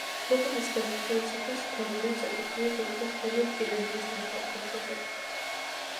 მეფობის დასასრულისათვის ფერდინანდს ეკუთვნოდა თითქმის მთელი პირენეის ნახევარკუნძული.